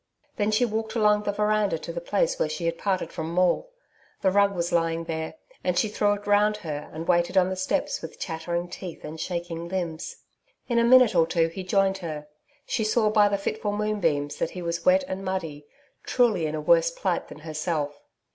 Then she walked along the veranda to the place where she had parted from Maule. The rug was lying there, and she threw it round her, and waited on the steps with chattering teeth and shaking limbs. In a minute or two, he joined her. She saw by the fitful moonbeams that he was wet and muddy truly in a worse plight than herself.